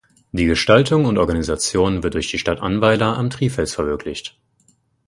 Die Gestaltung und Organisation wird durch die Stadt Annweiler am Trifels verwirklicht.